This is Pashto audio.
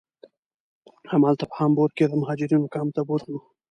همالته په هامبورګ کې یې د مهاجرینو کمپ ته بوتلو.